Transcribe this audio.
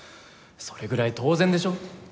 それぐらい当然でしょ？